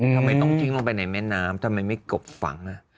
ทำไมต้องทิ้งลงไปในแม่น้ำทำไมไม่กบฝัง